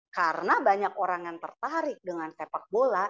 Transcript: karena banyak orang yang tertarik dengan sepak bola